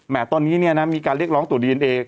แหม่ตอนนี้มีการเรียกร้องตรวจดีเอ็นเอ